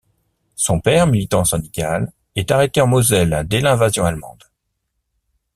Son père, militant syndical, est arrêté en Moselle dès l’invasion allemande.